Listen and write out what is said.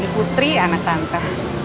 selamatkan putri anak tante